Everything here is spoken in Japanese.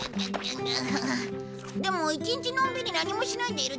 でも一日のんびり何もしないでいるってのもいいな。